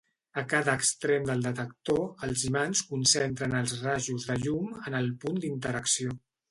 A cada extrem del detector, els imants concentren els rajos de llum en el punt d'interacció.